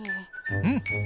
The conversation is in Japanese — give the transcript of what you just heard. うん。